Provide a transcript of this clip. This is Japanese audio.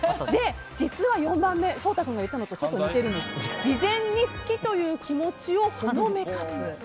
実は４番目颯太君が言ったのとちょっと似てるんですが事前に好きという気持ちをほのめかす。